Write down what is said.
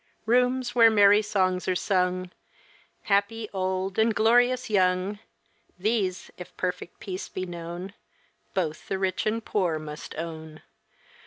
Rooms where merry songs are sung, Happy old and glorious young; These, if perfect peace be known, Both the rich and poor must own.